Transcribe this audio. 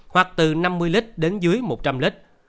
hoặc từ năm mươi lít đến dưới một trăm linh lít